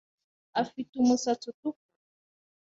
Afite umusatsi utukura